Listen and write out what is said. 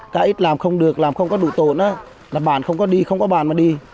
cá ít làm không được làm không có đủ tổn là bàn không có đi không có bàn mà đi